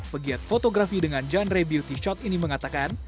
pegiat fotografi dengan genre beauty shot ini mengatakan